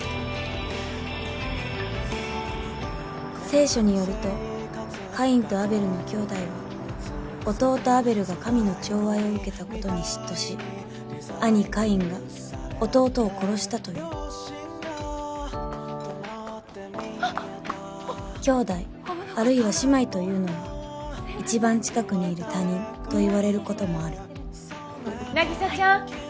聖書によるとカインとアベルの兄弟は弟アベルが神の寵愛を受けたことに嫉妬し兄カインが弟を殺したという兄弟あるいは姉妹というのは一番近くにいる他人と言われることもある凪沙ちゃん。